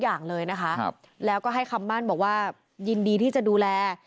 อย่างเลยนะคะแล้วก็ให้คำมั่นบอกว่ายินดีที่จะดูแล